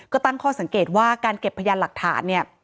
ก็ตั้งข้อสังเกตว่าการเก็บพยานหลักฐานเนี่ย